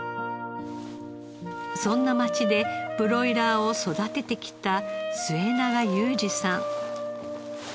そんな町でブロイラーを育ててきた末永裕治さん。